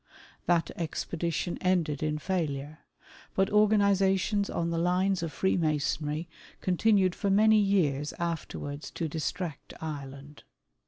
That expedition ended in failure ; but organisations on the lines of Freemasonry con tinued for many years afterwards to distract Ireland.